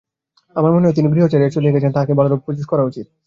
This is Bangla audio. আমার মনে হয় তিনি গৃহ ছাড়িয়া চলিয়া গেছেন, তাঁহাকে ভালোরূপ খোঁজ করা উচিত।